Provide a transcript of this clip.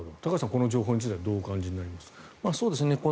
この情報についてはどうお感じになりますか。